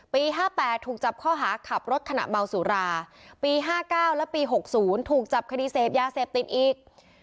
๕๘ถูกจับข้อหาขับรถขณะเมาสุราปี๕๙และปี๖๐ถูกจับคดีเสพยาเสพติดอีก